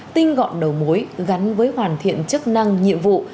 tinh gọn đầu mối gắn với hoàn thiện chức năng nhiệm vụ